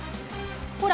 ほら！